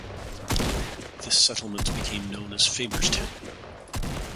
This settlement became known as Faberstown.